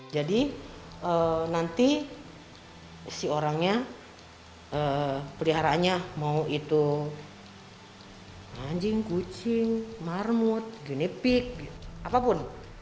jadi nanti si orangnya peliharaannya mau itu anjing kucing marmut genepik apapun